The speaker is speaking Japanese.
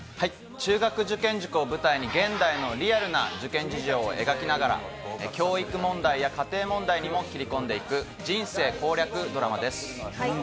中学受験塾を舞台に現代のリアルな受験事情を描きながら、教育問題や家庭問題にも切り込んでいく人生攻略ドラマです。